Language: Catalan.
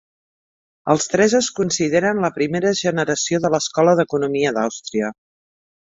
Els tres es consideren la primera generació de l'escola d'economia d'Àustria.